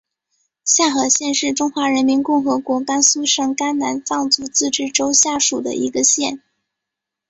夏河县是中华人民共和国甘肃省甘南藏族自治州下属的一个县。